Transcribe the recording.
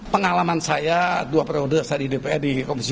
pengalaman saya dua periode saya di dpr di komisi dua